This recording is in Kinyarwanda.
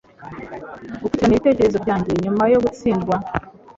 Gupfukirana ibitekerezo byanjye nyuma yo gutsindwa